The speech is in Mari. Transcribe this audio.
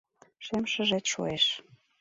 Шем шыжет шуэш